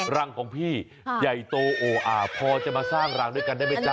รังของพี่ใหญ่โตโออ่าพอจะมาสร้างรังด้วยกันได้ไหมจ๊